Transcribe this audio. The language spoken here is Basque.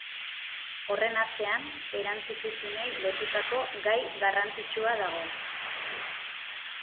Horren atzean erantzukizunei lotutako gai garrantzitsua dago.